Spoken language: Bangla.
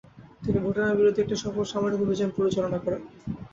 তিনি ভুটানের বিরুদ্ধে একটি সফল সামরিক অভিযান পরিচালনা করেন।